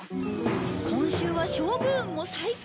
今週は勝負運も最強！